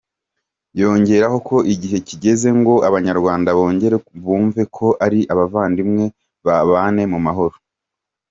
yongeraho ko igihe kigeze ngo abanyarwanda bongere bumve ko ari abavandimwe, babane mu mahoro.